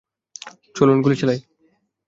চলুন গুলি চালাই!